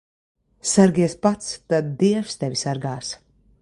Sargies pats, tad dievs tevi sargās.